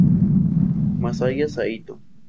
Masaya Saito